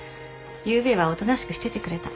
ゆうべはおとなしくしててくれた。